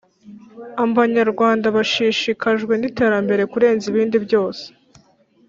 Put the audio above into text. Ambanyarwanda bashishikajwe ni iterambere kurenza ibindi byose